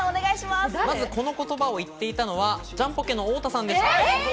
この言葉を言っていたのはジャンポケの太田さんでした。